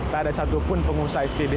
tak ada satupun pengusaha spd